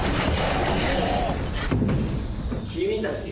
君たち